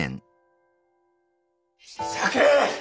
酒！